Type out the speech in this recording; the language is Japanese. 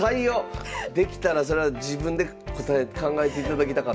できたらそら自分で考えていただきたかった。